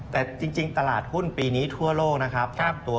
แต่จริงตลาดหุ้นปีนี้ทั่วโลกนะครับ